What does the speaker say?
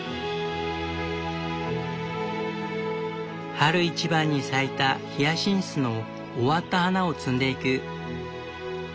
春一番に咲いたヒヤシンスの終わった花を摘んでいく。